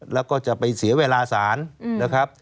แล้วก็จะไปเสียเวลาสารนะครับ